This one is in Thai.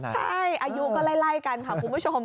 ใช่อายุก็ไล่กันค่ะคุณผู้ชม